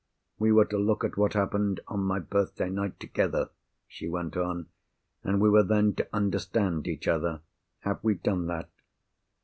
"We were to look at what happened on my birthday night, together," she went on; "and we were then to understand each other. Have we done that?"